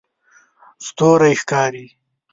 ستوری ښکاري